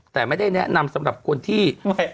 แต่ไม่ได้แนะนำสำหรับคนที่